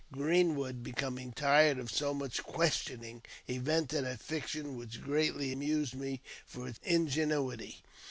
Greenwood, becoming tired of so much questioning, invented a fiction, which greatly amused me for its ingenuity.